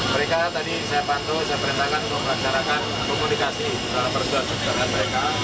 mereka tadi saya bantu saya perintahkan untuk melaksanakan komunikasi dalam persoalan perjuangan mereka